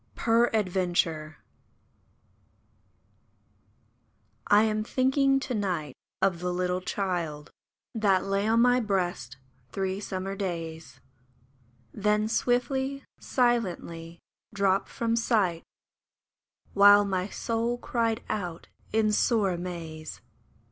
PERADVENTURE I AM thinking to night of the little child That lay on my breast three summer days, Then swiftly, silently, dropped from sight, While my soul cried out in sore amaze.